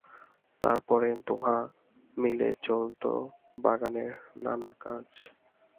তার পরে দোঁহে মিলে চলত বাগানের নানা কাজ।